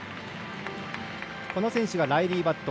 この選手がライリー・バット。